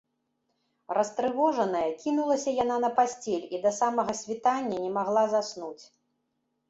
Растрывожаная, кінулася яна на пасцель і да самага світання не магла заснуць.